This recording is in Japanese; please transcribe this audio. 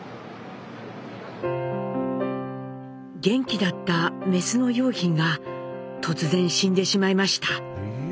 元気だったメスの蓉浜が突然死んでしまいました。